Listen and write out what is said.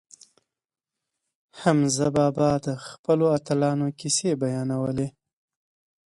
حمزه بابا د خپلو اتلانو کیسې بیانولې.